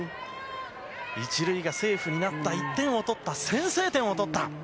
１塁がセーフになった１点を取った先制点を取った。